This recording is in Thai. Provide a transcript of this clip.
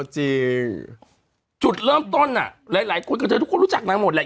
จริงจุดเริ่มต้นอ่ะหลายหลายคนก็จะทุกคนรู้จักนางหมดแหละ